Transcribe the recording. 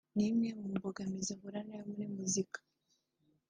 ni imwe mu mbogamizi ikomeye ahura nayo muri muzika